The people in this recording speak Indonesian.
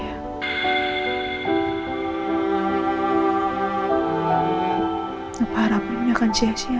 kenapa harapan ini akan sia sia aja